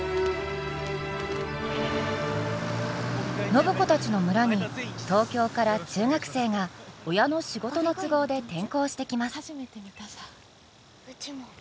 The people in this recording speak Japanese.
暢子たちの村に東京から中学生が親の仕事の都合で転校してきます。